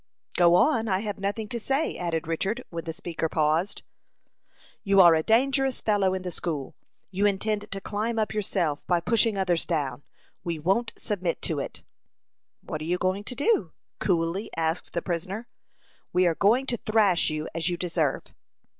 "Go on; I have nothing to say," added Richard, when the speaker paused. "You are a dangerous fellow in the school. You intend to climb up yourself by pushing others down. We won't submit to it." "What are you going to do?" coolly asked the prisoner. "We are going to thrash you, as you deserve."